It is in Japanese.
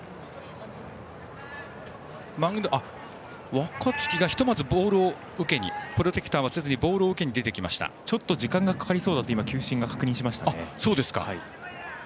若月がひとまずプロテクターをせずにボールを受けにちょっと時間がかかりそうだと球審が確認しました。